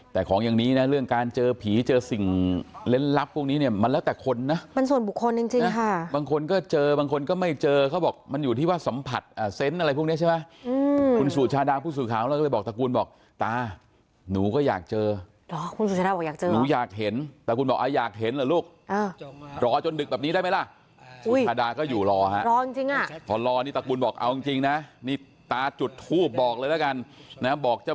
แต่ของอย่างนี้นะเรื่องการเจอผีเจอสิ่งเล่นลับพวกนี้เนี่ยมันแล้วแต่คนน่ะมันส่วนบุคคลจริงค่ะบางคนก็เจอบางคนก็ไม่เจอเขาบอกมันอยู่ที่ว่าสัมผัสเซนต์อะไรพวกนี้ใช่ไหมคุณสู่ชาดาพูดสู่ข่าวแล้วก็เลยบอกตากูลบอกตาหนูก็อยากเจอหรอคุณสู่ชาดาบอกอยากเจอเหรอหนูอยากเห็นตากูลบอกอ่